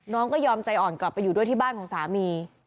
น้องก็ยอมใจอ่อนกลับไปอยู่ด้วยที่บ้านของสามี